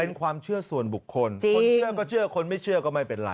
เป็นความเชื่อส่วนบุคคลคนเชื่อก็เชื่อคนไม่เชื่อก็ไม่เป็นไร